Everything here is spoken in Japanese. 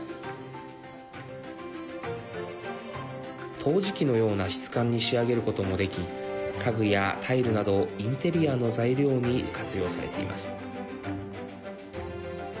陶磁器のような質感に仕上げることもでき家具やタイルなどインテリアの材料に活用されています。